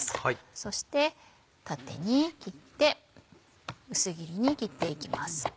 そして縦に切って薄切りに切っていきます。